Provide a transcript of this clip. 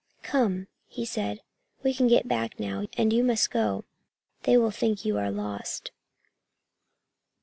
"Come," he said, "we can get back now, and you must go. They will think you are lost."